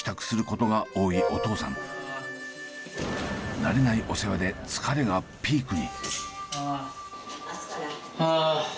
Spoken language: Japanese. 慣れないお世話で疲れがピークに。